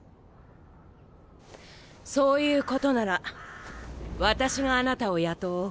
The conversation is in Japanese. そういうことなら私があなたを雇おう。